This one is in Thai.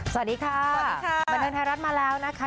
สวัสดีค่ะสวัสดีค่ะบันเทิงไทยรัฐมาแล้วนะคะ